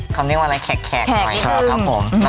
เขาเรียกว่าอะไรขแขกหน่อยนะครับครับผมครับ